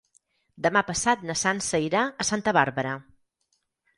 Demà passat na Sança irà a Santa Bàrbara.